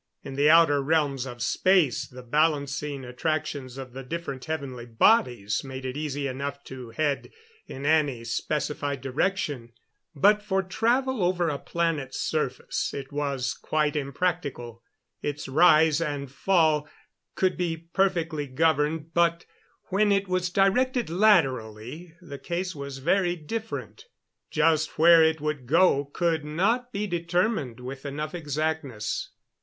In the outer realms of space the balancing attractions of the different heavenly bodies made it easy enough to head in any specified direction; but for travel over a planet's surface it was quite impractical. Its rise and fall could be perfectly governed; but when it was directed laterally the case was very different. Just where it would go could not be determined with enough exactness.